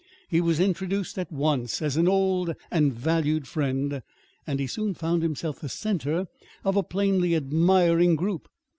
He was introduced at once as an old and valued friend, and he soon found himself the center of a plainly admiring group.